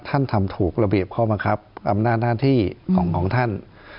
ท่านทำถูกระเบียบข้อบังคับอำนาจหน้าที่ของท่าน